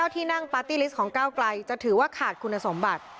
ที่นั่งปาร์ตี้ลิสต์ของก้าวไกลจะถือว่าขาดคุณสมบัติ